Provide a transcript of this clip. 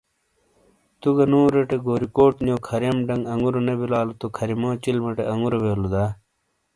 تو گہ نوروٹے گوریکوٹ نیو کھریم ڈنگ انگوروں نے بلالو تو کھریمو چلمٹے آنگورو بیلو دا؟